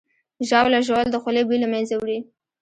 ژاوله ژوول د خولې بوی له منځه وړي.